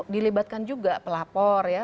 dilibatkan juga pelapor ya